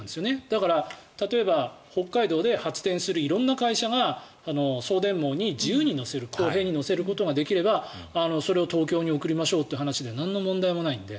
だから、例えば北海道で発電する色んな会社が送電網に自由に乗せる公平に乗せることができればそれを東京に送りましょうという話でなんの問題もないので。